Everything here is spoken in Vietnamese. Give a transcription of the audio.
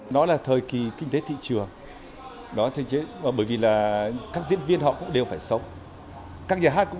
nó là thời kỳ kinh tế thị trường bởi vì là các diễn viên họ cũng đều phải sống các nhà hát cũng